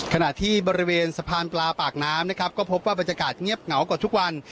ขณะที่บริเวณสะพานปลาปากน้ำนะครับก็พบว่าบรรยากาศเงียบเหงากว่าทุกวัน